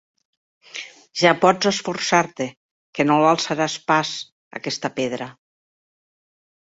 Ja pots esforçar-te, que no l'alçaràs pas, aquesta pedra.